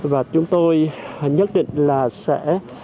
và chúng tôi nhất định là sẽ